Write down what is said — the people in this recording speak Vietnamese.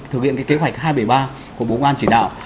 thực hiện cái kế hoạch hai trăm bảy mươi ba của bộ công an chỉ đạo